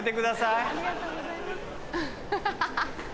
ハハハハ！